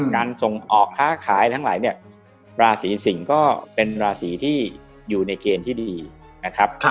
การส่งออกค้าขายทั้งหลายเนี่ยราศีสิงศ์ก็เป็นราศีที่อยู่ในเกณฑ์ที่ดีนะครับ